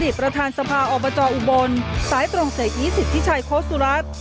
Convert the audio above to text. อดีตประธานสภาอบจออุบลสายตรงเศรษฐ์อีสิทธิชัยโคสุรัส